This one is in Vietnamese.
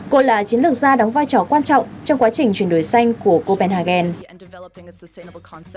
cô là chiến lược gia đóng vai trò quan trọng trong quá trình chuyển đổi xanh của copenhagen